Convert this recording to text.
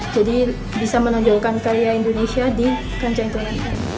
jadi bisa menonjolkan karya indonesia di rancangan itu